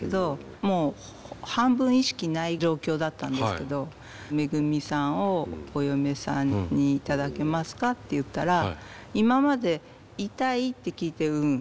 もう半分意識ない状況だったんですけどメグミさんをお嫁さんに頂けますかって言ったら今まで「痛い？」って聞いて「うん」。